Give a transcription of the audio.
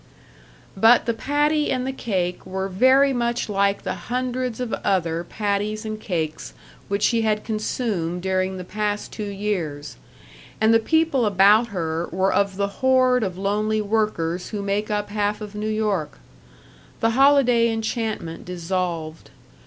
But the patty and the cake were very much like the hundreds of other patties and cakes which she had consumed during the past two years, and the people about her were of the horde of lonely workers who make up half of New York. The holiday enchantment dissolved.